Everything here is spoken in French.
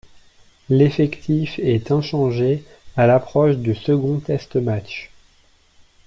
L'effectif est inchangé à l'approche du second test-match.